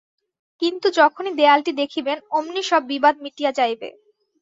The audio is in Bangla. কিন্তু যখনই দেয়ালটি দেখিবেন, অমনি সব বিবাদ মিটিয়া যাইবে।